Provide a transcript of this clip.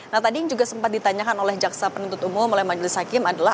nah tadi yang juga sempat ditanyakan oleh jaksa penuntut umum oleh majelis hakim adalah